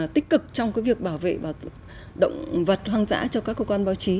tích cực trong cái việc bảo vệ động vật hoang dã cho các cơ quan báo chí